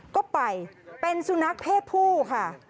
ก็ไปเป็นสุนัขเพศผู้ค่ะ